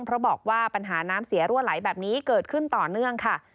เพราะบอกว่าปัญหาน้ำเสียรั่วไหลแบบนี้เกิดขึ้นต่อเนื่องค่ะ